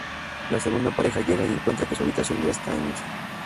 La segunda pareja llega y encuentra que su habitación ya está en uso.